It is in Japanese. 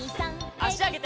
あしあげて。